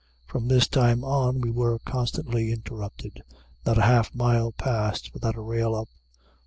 From this time on we were constantly interrupted. Not a half mile passed without a rail up.